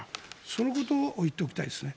そのことを言っておきたいですね。